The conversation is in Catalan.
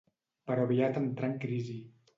Però aviat entrà en crisi.